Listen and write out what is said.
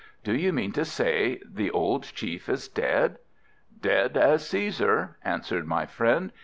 Do you mean to say the old chief is dead?" "Dead as Cæsar," answered my friend.